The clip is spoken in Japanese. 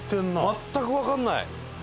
全くわからない！